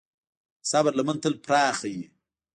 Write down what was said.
د صبر لمن تل پراخه وي.